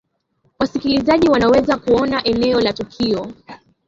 wasikilizaji wanaweza kuona eneo la tukio